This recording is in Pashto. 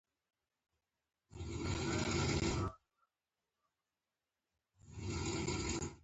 یو محقق د خپل تحقیق پروژه د رنتبور جېل ټاکلی و.